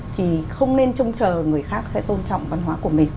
thì không nên trông chờ người khác sẽ tôn trọng văn hóa của mình